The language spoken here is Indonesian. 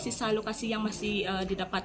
sisa alokasi yang masih didapatkan